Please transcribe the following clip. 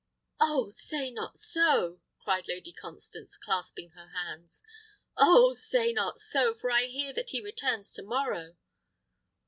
"Oh! say not so," cried Lady Constance, clasping her hands; "oh! say not so, for I hear that he returns to morrow."